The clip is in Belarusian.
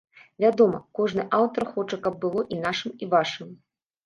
Вядома, кожны аўтар хоча каб было і нашым і вашым.